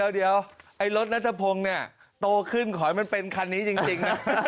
เดี๋ยวไอ้รถนัทพงศ์เนี่ยโตขึ้นขอให้มันเป็นคันนี้จริงนะ